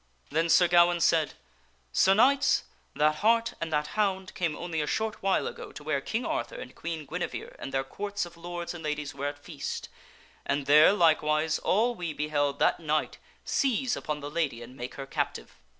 Then Sir Gawaine said, " Sir Knights, that hart and that hound came only a short while ago to where King Arthur and Queen Guinevere and their Courts of lords and ladies were at feast, and there, likewise, all we beheld that knight seize upon the lady and make her captive.